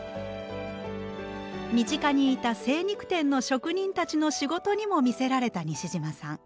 身近にいた精肉店の職人たちの仕事にも魅せられた西島さん。